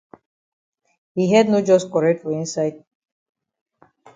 Yi head no jus correct for inside.